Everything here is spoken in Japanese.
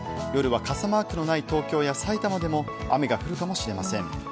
夜は傘マークのない東京やさいたまでも雨が降るかもしれません。